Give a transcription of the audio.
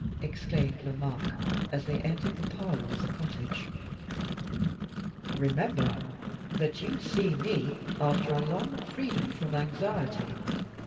exclaimed Lomaque, as they entered the parlor of the cottage. "Remember that you see me after a long freedom from anxiety.